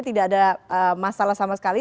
tidak ada masalah sama sekali